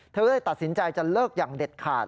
เธอเลยตัดสินใจจะเลิกอย่างเด็ดขาด